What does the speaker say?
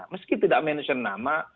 meski tidak mention nama